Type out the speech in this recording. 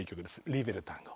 「リベルタンゴ」。